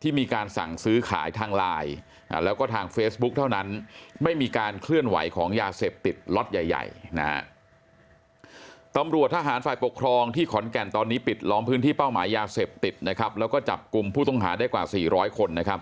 ที่ขอนแกนตอนนี้ปิดล้อมพื้นที่เป้าหมายยาเสพติดนะครับแล้วก็จับกลุ่มผู้ต้องหาได้กว่า๔๐๐คนนะครับ